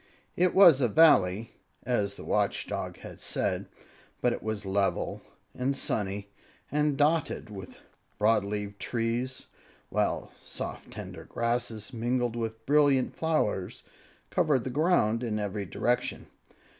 It was a Valley, as the Watch Dog had said; but it was level and sunny and dotted with broad leaved trees; while soft, tender grasses, mingled with brilliant flowers, covered the ground in every direction.